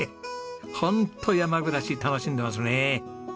ホント山暮らし楽しんでますね。